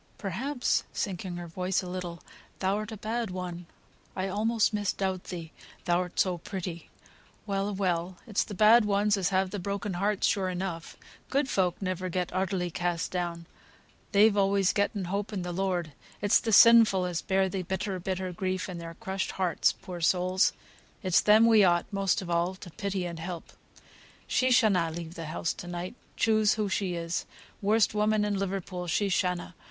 Perhaps" (sinking her voice a little) "thou'rt a bad one; I almost misdoubt thee, thou'rt so pretty. Well a well! it's the bad ones as have the broken hearts, sure enough; good folk never get utterly cast down, they've always getten hope in the Lord: it's the sinful as bear the bitter, bitter grief in their crushed hearts, poor souls; it's them we ought, most of all, to pity and to help. She shanna leave the house to night, choose who she is, worst woman in Liverpool, she shanna.